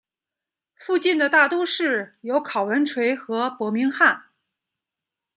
附近的大都市有考文垂和伯明翰。